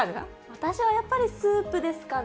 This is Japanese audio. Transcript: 私はやっぱりスープですかね。